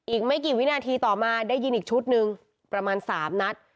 อีกไม่กี่วินาทีต่อมาได้ยินอีกชุดหนึ่งประมาณ๓นัด